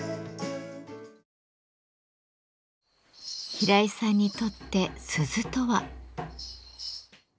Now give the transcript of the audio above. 平井さんにとって鈴とは。